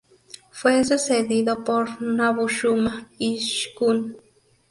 Fue sucedido por Nabu-shuma-ishkun.